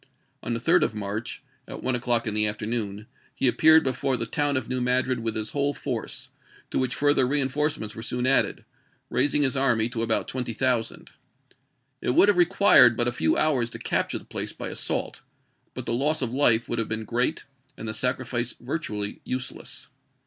On the 3d of March, at one 1862. o'clock in the afternoon, he appeared before the town of New Madrid with his whole force, to which further reenf orcements were soon added, raising his army to about 20,000. It would have required but a few hours to capture the place by assault, but the loss of life would have been great and the sac rifice virtually useless.